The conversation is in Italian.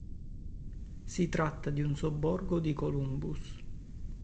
Si tratta di un sobborgo di Columbus.